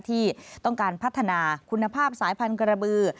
ที่ต้องการพัฒนาคุณภาพสายพันธุกระบือ